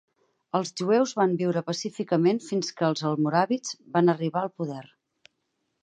Els jueus van viure pacíficament fins que els almoràvits van arribar al poder.